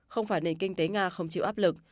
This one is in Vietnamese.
không phải nền kinh tế nga không chịu áp lực